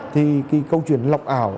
thì câu chuyện lọc ảo